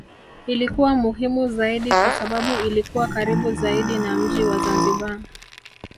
Ilikuwa muhimu zaidi kwa sababu ilikuwa karibu zaidi na mji wa Zanzibar